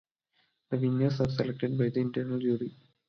The winners are selected by an external jury.